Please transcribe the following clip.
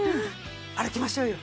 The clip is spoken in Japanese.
歩きましょうよ。